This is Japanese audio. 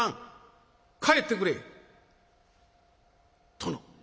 「殿。